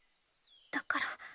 だから。